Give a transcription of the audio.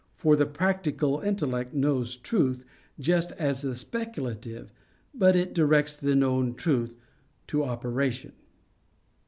For the practical intellect knows truth, just as the speculative, but it directs the known truth to operation.